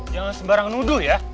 jangan sembarang nuduh ya